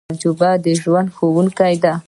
تجربه د ژوند ښوونکی ده